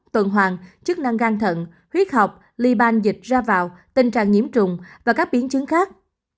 tuần hoàng chức năng gan thận huyết học ly ban dịch ra vào tình trạng nhiễm trùng và các biến chứng khác